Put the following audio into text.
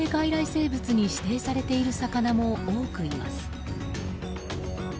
生物に指定されている魚も多くいます。